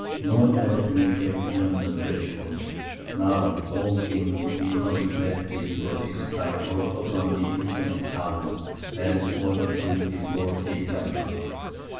None ever penetrated beyond the threshold. Now, O king, we come to beg thee to affix thy lock upon the enchanted tower, as all the kings before thee have done."